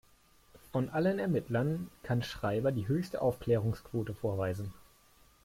Von allen Ermittlern kann Schreiber die höchste Aufklärungsquote vorweisen.